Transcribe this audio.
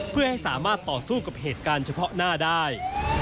เพื่อให้สามารถต่อสู้กับเหตุการณ์เฉพาะหน้าได้